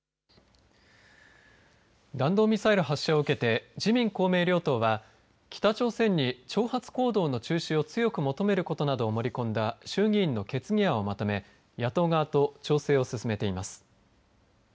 弾道ミサイル発射を受けて自民・公明両党は北朝鮮に挑発行動の中止を強く求めることなどを盛り込んだ衆議院の決議案をまとめ野党側と調整を進めています。